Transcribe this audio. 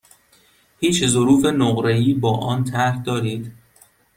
هیچ ظروف نقره ای با آن طرح دارید؟